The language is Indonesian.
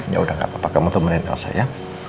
ya udah gak apa apa kamu temenin elsa ya